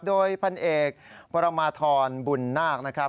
โดยพันเอกบรมาธรบุญนาคนะครับ